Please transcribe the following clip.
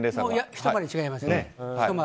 ひと回り違います。